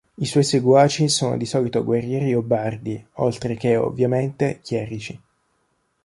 I suoi seguaci sono di solito guerrieri o bardi oltre che, ovviamente, chierici.